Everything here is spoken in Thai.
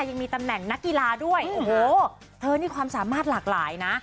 ยังมีตำแหน่งนักกีฬาด้วยโอ้โหเธอนี่ความสามารถหลากหลายนะ